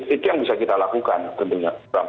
itu yang bisa kita lakukan tentunya